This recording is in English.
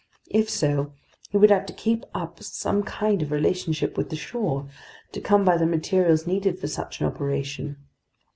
If so, he would have to keep up some kind of relationship with the shore, to come by the materials needed for such an operation.